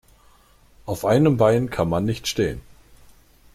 Auf einem Bein kann man nicht stehen.